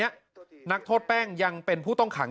แต่ว่าตอนนี้นักทดแป้งยังเป็นผู้ต้องขัง